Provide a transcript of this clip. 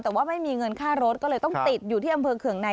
แต่ว่าไม่มีเงินค่ารถก็เลยต้องติดอยู่ที่อำเภอเคืองใน